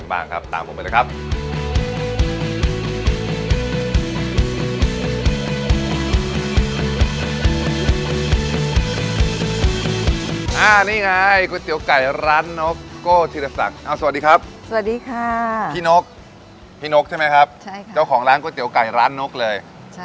นี่ไงก๋วยเตี๋ยวไก่ร้านนกโก้ธีรศักดิ์สวัสดีครับสวัสดีค่ะพี่นกพี่นกใช่ไหมครับเจ้าของร้านก๋วยเตี๋ยวไก่ร้านนกเลย